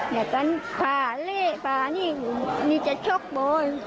อยากการภาพเล่นภาพนี่นี่จะชกบ่อย